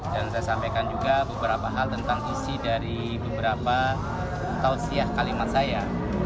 dan saya sampaikan juga beberapa hal tentang isi dari beberapa tausiah kalimat saya